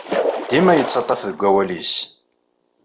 Dima yettaḍḍaf deg wawal-nnes.